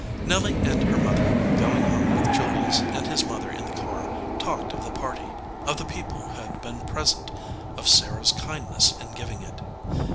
Nelly and her mother, going home with Julius and his mother in the car, talked of the party, of the people who had been present, of Sarah s kind ness in giving it.